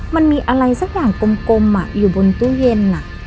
มันมีอะไรสักอย่างกลมอยู่บนตู้เย็น